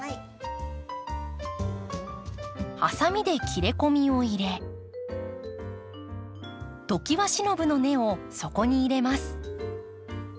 ハサミで切れ込みを入れトキワシノブの根をそこに入れます。